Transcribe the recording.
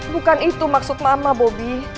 bukan itu maksud mama bobi